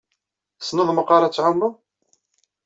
Tessneḍ meqqar ad tɛummeḍ?